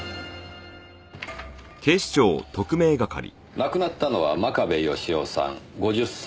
亡くなったのは真壁義雄さん５０歳。